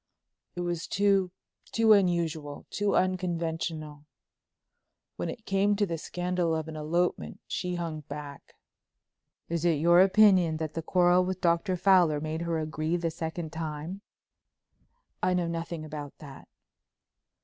"It was too—too unusual—too unconventional. When it came to the scandal of an elopement she hung back." "Is it your opinion that the quarrel with Dr. Fowler made her agree the second time?" "I know nothing about that."